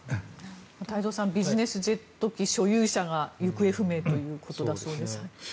太蔵さんビジネスジェット機所有者が行方不明ということだそうです。